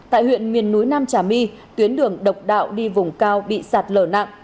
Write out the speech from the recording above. tại huyện miền núi nam trà my tuyến đường độc đạo đi vùng cao bị sạt lở nặng